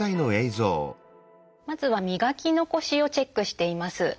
まずは磨き残しをチェックしています。